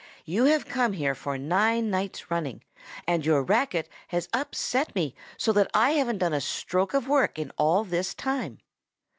"You have come here for nine nights running; and your racket has upset me so that I haven't done a stroke of work in all this time."